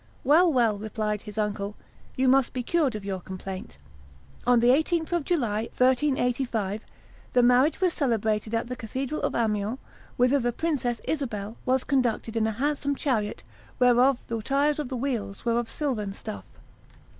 "Well, well," replied his uncle, "you must be cured of your complaint." On the 18th of July, 1385, the marriage was celebrated at the cathedral of Amiens, whither the Princess Isabel "was conducted in a handsome chariot, whereof the tires of the wheels were of silvern stuff."